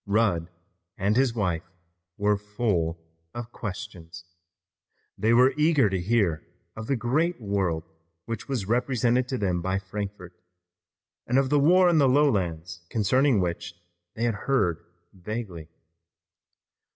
Rudd and his wife were full of questions. They were eager to hear of the great world which was represented to them by Frankfort, and of the war in the lowlands concerning which they had heard vaguely.